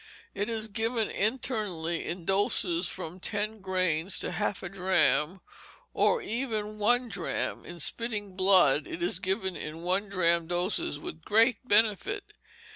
It is given internally in doses of from ten grains to half a drachm, or even one drachm; in spitting blood it is given in one drachm doses with great benefit.